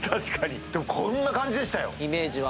でもこんな感じでしたよ。